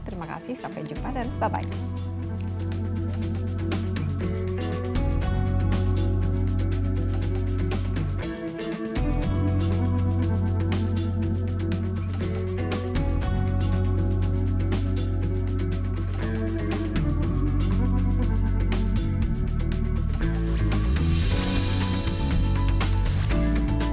terima kasih sampai jumpa dan bye bye